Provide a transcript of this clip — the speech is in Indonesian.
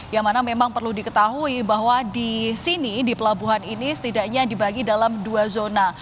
yang mana memang perlu diketahui bahwa di sini di pelabuhan ini setidaknya dibagi dalam dua zona